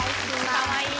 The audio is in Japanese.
かわいい。